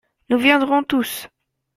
Nous viendrons tous.